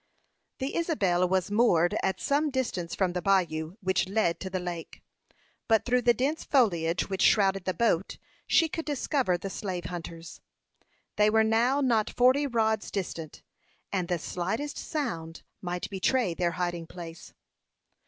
The Isabel was moored at some distance from the bayou, which led to the lake; but through the dense foliage which shrouded the boat, she could discover the slave hunters. They were now not forty rods distant, and the slightest sound might betray their hiding place.